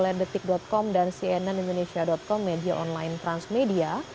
yang dikutip oleh detik com dan cnnindonesia com media online transmedia